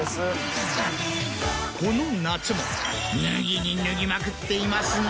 この夏も脱ぎに脱ぎまくっていますが。